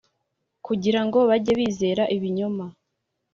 Kugira ngo bajye bizera ibinyoma